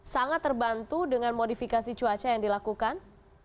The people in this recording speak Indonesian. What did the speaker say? sangat terbantu dengan modifikasi cuaca yang dilakukan